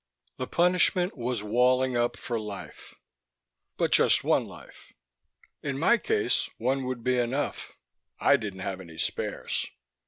The punishment was walling up for life ... but just one life. In my case one would be enough; I didn't have any spares.